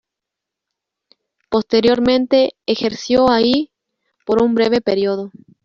Posteriormente ejerció allí por un breve periodo.